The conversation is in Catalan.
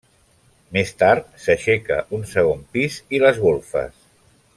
Més tard s'aixeca un segon pis i les golfes.